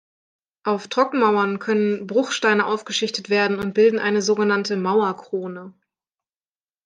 Auf Trockenmauern können Bruchsteine aufgeschichtet werden und bilden eine sogenannte Mauerkrone.